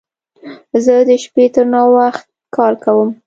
زه د شپې تر ناوخت کار کوم.